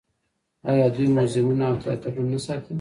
آیا دوی موزیمونه او تیاترونه نه ساتي؟